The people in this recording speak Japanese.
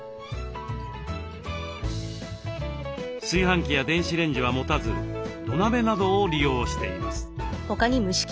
炊飯器や電子レンジは持たず土鍋などを利用しています。